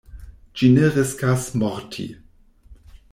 Ĝi ne riskas morti.